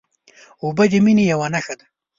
اوبه د مینې یوه نښه ده.